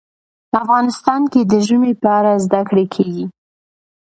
افغانستان کې د ژمی په اړه زده کړه کېږي.